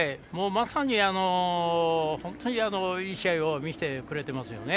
まさに、本当にいい試合を見せてくれていますね。